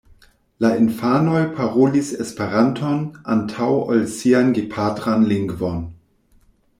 La infanoj parolis Esperanton antaŭ ol sian gepatran lingvon.